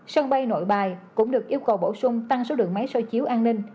sân bay nội bài cũng được yêu cầu bổ sung tăng số lượng máy so chiếu an ninh